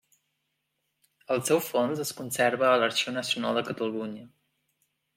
El seu fons es conserva a l'Arxiu Nacional de Catalunya.